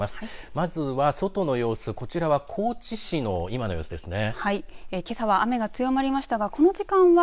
まずは外の様子、こちらは高知市の今の様子ですね。